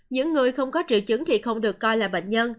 những người không có triệu chứng thì không được coi là bệnh nhân